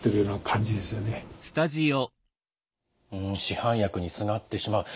市販薬にすがってしまう。